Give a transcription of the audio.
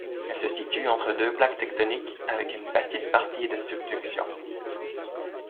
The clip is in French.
Elle se situe entre deux plaques tectoniques avec une petite partie de subduction.